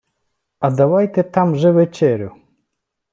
- А давайте там вже вечерю...